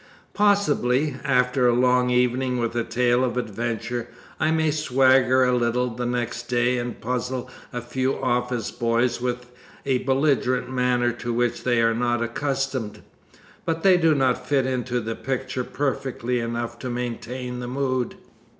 Possibly, after a long evening with a tale of adventure, I may swagger a little the next day and puzzle a few office boys with a belligerent manner to which they are not accustomed; but they do not fit into the picture perfectly enough to maintain the mood.